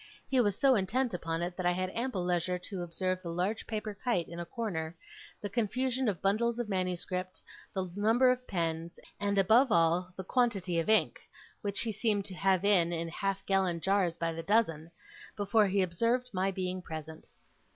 He was so intent upon it, that I had ample leisure to observe the large paper kite in a corner, the confusion of bundles of manuscript, the number of pens, and, above all, the quantity of ink (which he seemed to have in, in half gallon jars by the dozen), before he observed my being present.